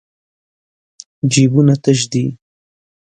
جېبونه تش دي.